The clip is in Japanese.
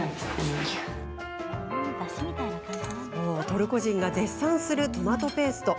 トルコ人が絶賛するトマトペースト。